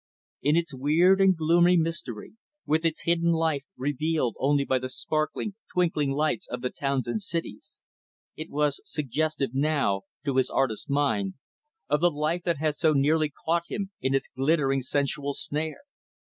In its weird and gloomy mystery, with its hidden life revealed only by the sparkling, twinkling lights of the towns and cities, it was suggestive, now, to his artist mind, of the life that had so nearly caught him in its glittering sensual snare.